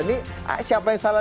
ini siapa yang salah